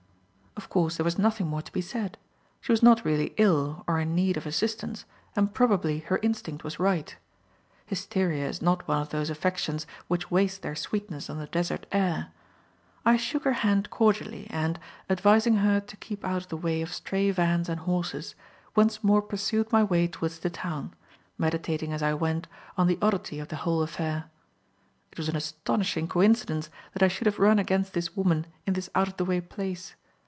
Of course there was nothing more to be said. She was not really ill or in need of assistance, and probably her instinct was right. Hysteria is not one of those affections which waste their sweetness on the desert air, I shook her hand cordially and, advising her to keep out of the way of stray vans and horses, once more pursued my way towards the town, meditating as I went, on the oddity of the whole affair. It was an astonishing coincidence that I should have run against this woman in this out of the way place.